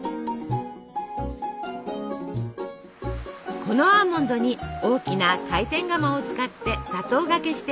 このアーモンドに大きな回転釜を使って砂糖がけしていくのです。